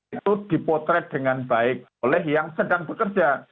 itu dipotret dengan baik oleh yang sedang bekerja